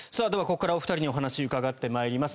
ここからお二人のお話を伺ってまいります。